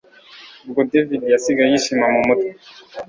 ubwo david yasigaye yishima mumutwe